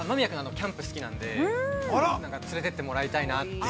キャンプ好きなので、連れてってもらいたいなという。